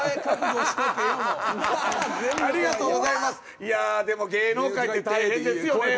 「いやでも芸能界って大変ですよね」。